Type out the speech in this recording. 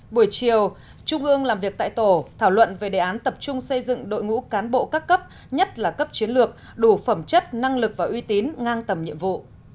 buổi chiều trung ương làm việc tại tổ thảo luận về đề án tập trung xây dựng đội ngũ cán bộ các cấp nhất là cấp chiến lược đủ phẩm chất năng lực và uy tín ngang tầm nhiệm vụ